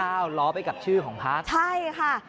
ล้อไปกับชื่อของพักใช่ค่ะ